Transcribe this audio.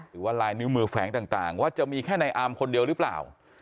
หรือว่าลายนิ้วมือแฝงต่างว่าจะมีแค่ในอามคนเดียวหรือเปล่า